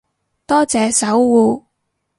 多謝守護